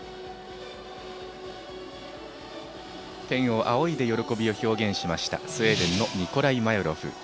天を仰いで喜びを表現しましたスウェーデンのニコライ・マヨロフ。